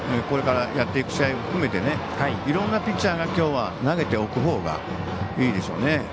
これからやっていく試合も含めていろんなピッチャーがきょうは投げておくほうがいいでしょうね。